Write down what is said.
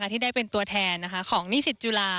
ที่ได้เป็นตัวแทนของนิสิตจุฬา